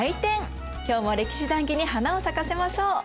今日も歴史談義に花を咲かせましょう。